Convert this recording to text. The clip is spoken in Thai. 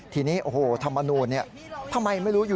ทีนี้โอ้โหธรรมนูญเนี่ยทำไมไม่รู้